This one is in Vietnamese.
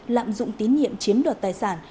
lạm dụng tín nhiệm chiếm đoạt tài sản